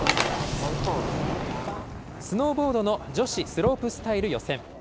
スノーボードの女子スロープスタイル予選。